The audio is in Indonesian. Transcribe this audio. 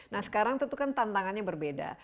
nah sekarang tentu kan tantangannya berbeda